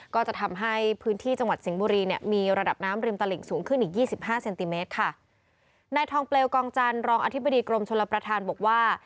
ก็จะทำให้พื้นที่จังหวัดสิงห์บุรีเนี่ยมีระดับน้ำริมตลิ่งสูงขึ้นอีกยี่สิบห้าเซนติเมตรค่ะนายทองเปลวกองจันทร์รองอธิบดีกรมชลประธานบอกว่า